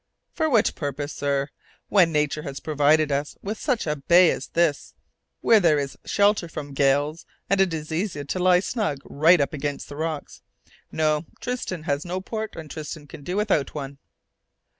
"For what purpose, sir, when nature has provided us with such a bay as this, where there is shelter from gales, and it is easy to lie snug right up against the rocks? No, Tristan has no port, and Tristan can do without one."